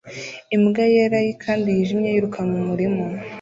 Imbwa yera kandi yijimye yiruka mu murima